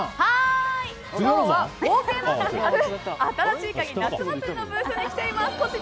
今日は冒険ランドにある「新しいカギ夏祭り」のブースに来ています。